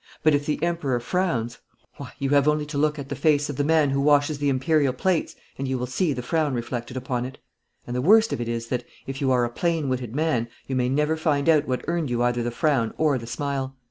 But if the Emperor frowns, why, you have only to look at the face of the man who washes the Imperial plates, and you will see the frown reflected upon it. And the worst of it is that, if you are a plain witted man, you may never find out what earned you either the frown or the smile.